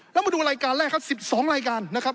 แล้วมาดูรายการแรกครับ๑๒รายการนะครับ